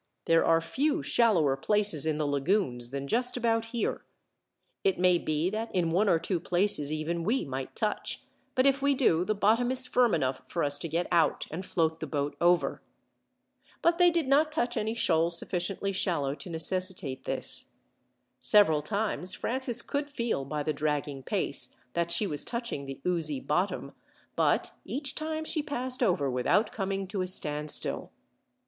There are few shallower places in the lagoons than just about here. It may be that in one or two places even we might touch, but if we do, the bottom is firm enough for us to get out and float the boat over." But they did not touch any shoal sufficiently shallow to necessitate this. Several times Francis could feel, by the dragging pace, that she was touching the oozy bottom; but each time she passed over without coming to a standstill.